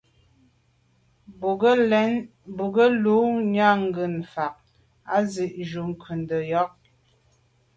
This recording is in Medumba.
Bwɔ́ŋkə̂’ lû nyágə̀ fáŋ â zît jū ncùndá ŋkɔ̀k.